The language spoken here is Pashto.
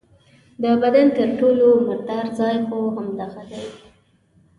د بدن تر ټولو مردار ځای خو همدغه دی.